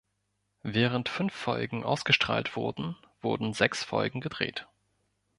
Während fünf Folgen ausgestrahlt wurden, wurden sechs Folgen gedreht.